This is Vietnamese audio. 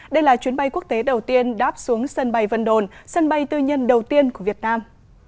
đây là chuyến bay quốc tế đầu tiên đáp xuống sân bay vân đồn sân bay tư nhân đầu tiên của việt nam